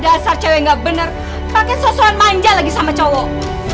dasar cewek ga bener pake sosokan manja lagi sama cowok